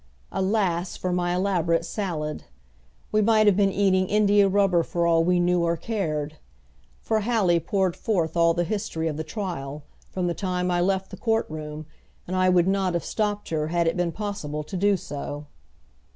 Alas for my elaborate salad! We might have been eating india rubber for all we knew or cared. For Hallie poured forth all the history of the trial, from the time I left the court room, and I would not have stopped her had it been possible to do so.